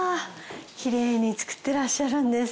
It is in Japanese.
きれいに作ってらっしゃるんですね。